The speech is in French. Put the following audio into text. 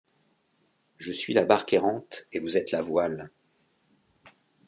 Je suis la barque errante et vous êtes la voile.